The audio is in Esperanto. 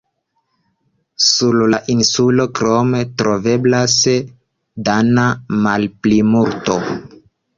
Sur la insulo krome troveblas dana malplimulto.